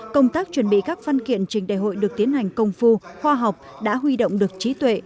công tác chuẩn bị các văn kiện trình đại hội được tiến hành công phu khoa học đã huy động được trí tuệ